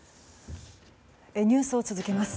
ニュースを続けます。